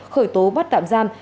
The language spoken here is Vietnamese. khởi tố bắt tạm giam